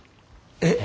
えっ？